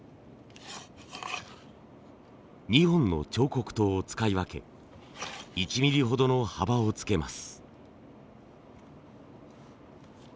２本の彫刻刀を使い分け１ミリほどの幅をつけます。